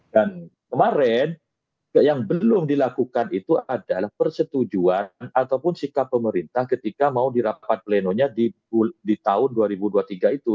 dan kemarin yang belum dilakukan itu adalah persetujuan ataupun sikap pemerintah ketika mau dirapat plenonya di tahun dua ribu dua puluh tiga itu